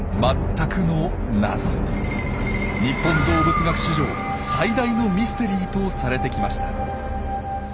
日本動物学史上最大のミステリーとされてきました。